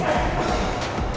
ada apa mel